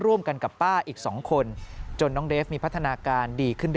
ร่วมกันกับป้าอีก๒คนจนน้องเดฟมีพัฒนาการดีขึ้น